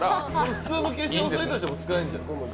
普通の化粧水としても使えるやん。